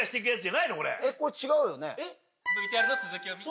ＶＴＲの続きを見て。